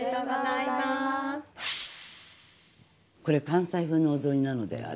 これ関西風のお雑煮なので。